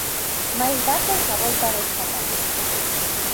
Máis datos á volta desta pausa.